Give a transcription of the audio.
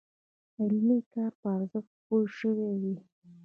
علمي کار په ارزښت پوه شوي وي.